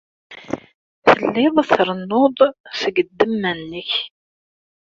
Telliḍ trennuḍ-d seg ddemma-nnek.